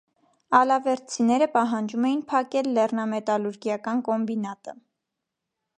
Ալավերդցիները պահանջում էին փակել լեռնամետալուրգիական կոմբինատը։